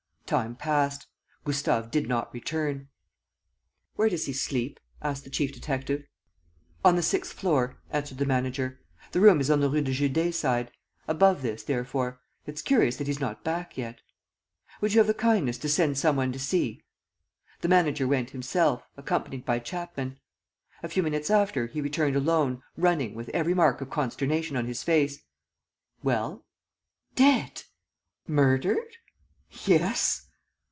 Time passed. Gustave did not return. "Where does he sleep?" asked the chief detective. "On the sixth floor," answered the manager. "The room is on the Rue de Judée side: above this, therefore. It's curious that he's not back yet." "Would you have the kindness to send some one to see?" The manager went himself, accompanied by Chapman. A few minutes after, he returned alone, running, with every mark of consternation on his face. "Well?" "Dead!" "Murdered?" "Yes."